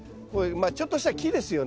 まあちょっとした木ですよね。